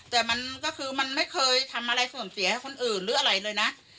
แต่มันก็คือมันไม่เคยทำอะไรเสื่อมเสียให้คนอื่นหรืออะไรเลยนะ